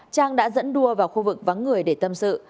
trang đã dẫn đua vào khu vực vắng người để tâm sự